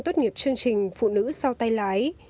trong một chương trình phụ nữ sau tay lái